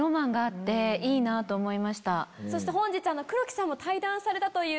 そして本日黒木さんも対談されたという。